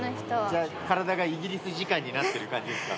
じゃあ、体がイギリス時間になってる感じですか？